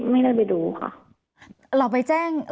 ไม่ได้ไปดูค่ะ